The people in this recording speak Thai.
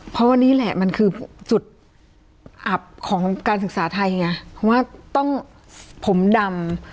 เพราะว่านี่แหละมันคือจุดอับของการศึกษาไทยไงว่าต้องผมดำ